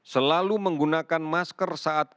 selalu menggunakan masker saat